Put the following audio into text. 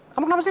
kamu kenapa sih